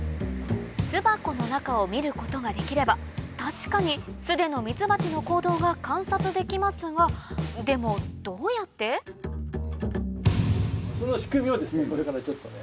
巣箱の中を見ることができれば確かに巣でのミツバチの行動が観察できますがでもその仕組みをこれからちょっと。